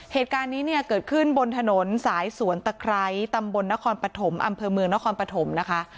เหตุการณ์นี้เนี่ยเกิดขึ้นบนถนนสายสวนตะไคร้ตำบลนครปฐมอำเภอเมืองนครปฐมนะคะ